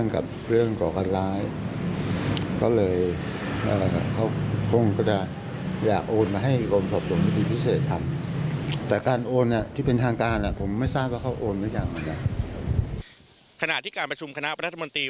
ขณะที่การประชุมคณะรัฐมนตรี